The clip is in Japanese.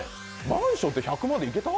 マンションって１００万でいけた？